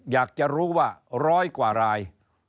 อยากจะรู้ว่าร้อยกว่าราย